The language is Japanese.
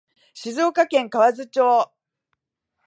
静岡県河津町